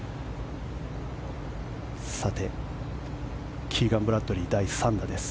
さて、キーガン・ブラッドリー第３打です。